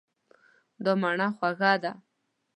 دا مڼه خوږه ده.